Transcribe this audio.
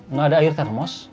nggak ada air termos